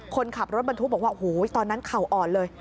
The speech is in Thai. คนขับรถบรรทุกบอกว่าโอ้โหตอนนั้นเข่าอ่อนเลย